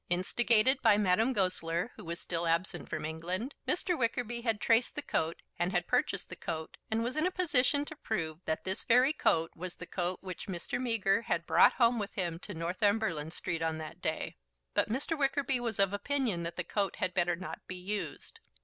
Instigated by Madame Goesler, who was still absent from England, Mr. Wickerby had traced the coat, and had purchased the coat, and was in a position to prove that this very coat was the coat which Mr. Meager had brought home with him to Northumberland Street on that day. But Mr. Wickerby was of opinion that the coat had better not be used.